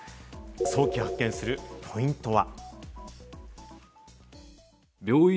早期発見するポイントは？